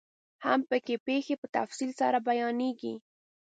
هم پکې پيښې په تفصیل سره بیانیږي.